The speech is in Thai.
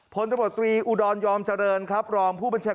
พรรณบัตรตรีอูดรยอมเจริญรองผู้บัญชกา